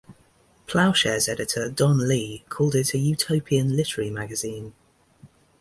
"Ploughshares" editor Don Lee called it a "utopian literary magazine.